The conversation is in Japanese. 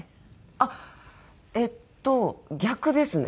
あっえっと逆ですね。